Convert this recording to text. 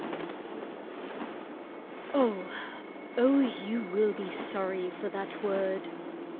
VII Oh, oh, you will be sorry for that word!